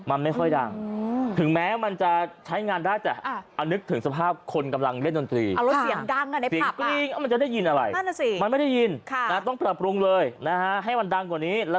มันไม่ค่อยดังมันไม่ค่อยดังถึงแม้มันจะใช้งานได้